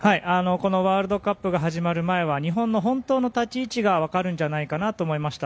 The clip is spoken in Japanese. このワールドカップが始まる前は日本の本当の立ち位置が分かるんじゃないかなと思いました。